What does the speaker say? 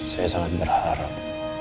saya sangat berharap